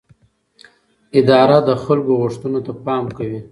اداره د خلکو غوښتنو ته پام کوي.